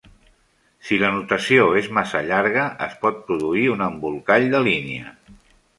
Si l'anotació és massa llarga, es pot produir un embolcall de línia.